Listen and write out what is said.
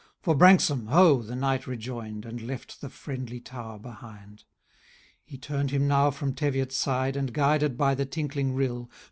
—*' For Branksome, ho !" the knight rejoin'd. And left the friendly tower behind. He tum'd him now from Teviotside, And, guided by the tinkling rill.